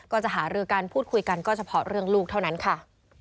ก็จะหารือกันพูดคุยกันก็เฉพาะเรื่องลูกเท่านั้นค่ะ